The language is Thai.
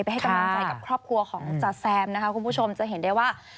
ให้กำลังใจกับครอบครัวของจ๋าแซมนะคะคุณผู้ชมจะเห็นได้ว่า